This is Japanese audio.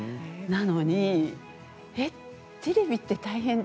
なのに、えっテレビって大変。